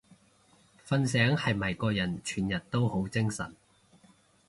瞓醒係咪個人全日都好精神？